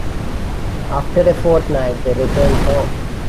After a fortnight, they returned home.